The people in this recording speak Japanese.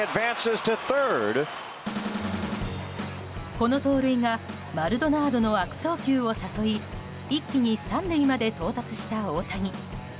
この盗塁がマルドナードの悪送球を誘い一気に３塁まで到達した大谷。